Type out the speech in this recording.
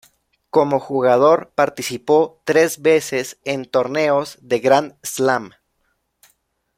Como jugador, participó tres veces en torneos de Grand Slam.